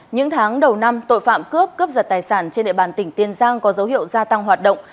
những tháng đầu năm tội phạm cướp cướp giật tài sản trên địa bàn tỉnh tiên giang có dấu hiệu gia tăng hoạt động